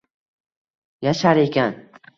Yashar ekan